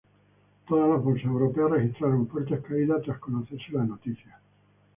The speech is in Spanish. Todas las bolsas europeas registraron fuertes caídas tras conocerse la noticia.